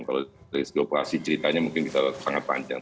kalau dari sisi operasi ceritanya mungkin kita sangat panjang